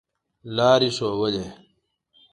لاري ښودلې.